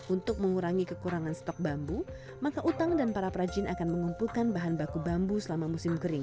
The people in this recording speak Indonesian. untuk mengurangi kekurangan stok bambu maka utang dan para perajin akan mengumpulkan bahan baku bambu selama musim kering